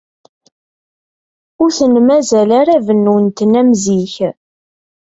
Ur ten-mazal ara bennun-ten am zik.